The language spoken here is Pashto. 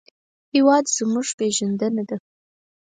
هېواد زموږ پېژندنه ده